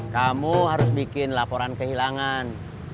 kamu harus bikin laporan kehilangan